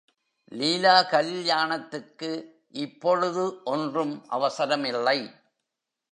லீலா கல்யாணத்துக்கு இப்பொழுது ஒன்றும் அவசரம் இல்லை.